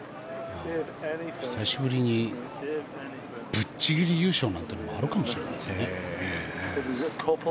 久しぶりにぶっちぎり優勝なんていうのもあるかもしれないですね。